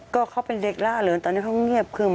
ก็เขาเป็นเด็กล่าเริงตอนนี้เขาเงียบคือ